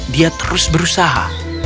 dia terus berusaha